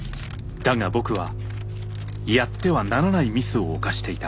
だが僕はやってはならないミスを犯していた。